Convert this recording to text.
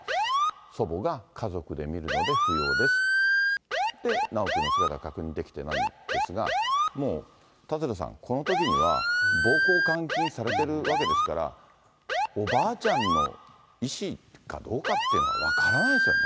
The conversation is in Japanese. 祖母が家族で見るので不要ですって、修くんの姿は確認できてないんですが、もう舘野さん、このときには、暴行・監禁されてるわけですから、おばあちゃんの意思かどうかっていうのは分からないですよね。